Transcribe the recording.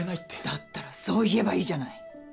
だったらそう言えばいいじゃない。